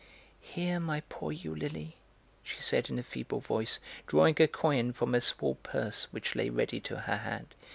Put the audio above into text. "Here, my poor Eulalie," she said in a feeble voice, drawing a coin from a small purse which lay ready to her hand.